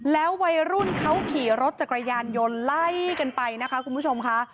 แล้ววัยรุ่นเขาขี่รถจักรยานยนต์ไล่กันไปนะคะคุณผู้ชมค่ะ